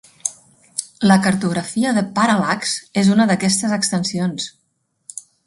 La cartografia de Parallax és una d'aquestes extensions.